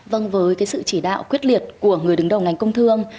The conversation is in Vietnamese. vâng với sự chỉ đạo quyết liệt của người đứng đầu ngành công thương